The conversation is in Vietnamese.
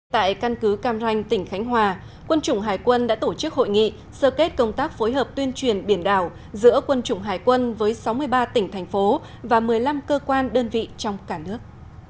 tại căn cứ cam ranh tỉnh khánh hòa quân chủng hải quân đã tổ chức hội nghị sơ kết công tác phối hợp tuyên truyền biển đảo giữa quân chủng hải quân với sáu mươi ba tỉnh thành phố và một mươi năm cơ quan đơn vị trong cả nước